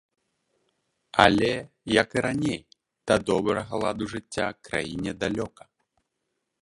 Але, як і раней, да добрага ладу жыцця краіне далёка.